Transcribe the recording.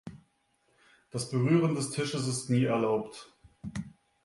Das Berühren des Tisches ist nie erlaubt.